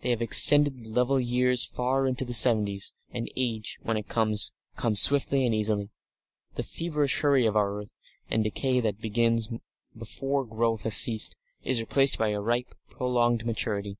They have extended the level years far into the seventies, and age, when it comes, comes swiftly and easily. The feverish hurry of our earth, the decay that begins before growth has ceased, is replaced by a ripe prolonged maturity.